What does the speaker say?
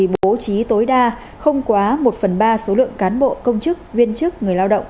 bố trí tối đa không quá một phần ba số lượng cán bộ công chức viên chức người lao động